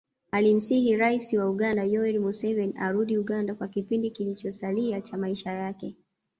Alimsihi rais wa Uganda Yoweri Museveni arudi Uganda kwa kipindi kilichosalia cha maisha yake